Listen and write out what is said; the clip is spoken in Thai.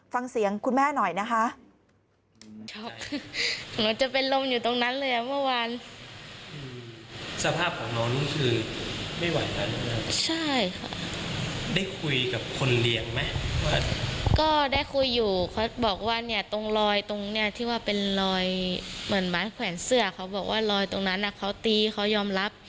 ฟังเสียงคุณแม่หน่อยนะคะ